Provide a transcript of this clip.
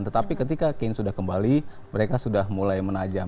tetapi ketika kane sudah kembali mereka sudah mulai menajam